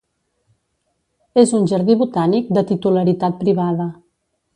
És un jardí botànic de titularitat privada.